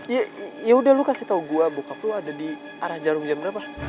ya ya udah lo kasih tau gue bokap lo ada di arah jarum jam berapa